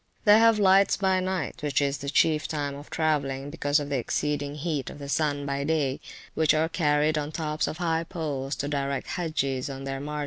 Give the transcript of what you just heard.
They have lights by night (which is the chief time of travelling, because of the exceeding heat of the sun by day), which are carried on the tops of high poles, to direct the Hagges on their march.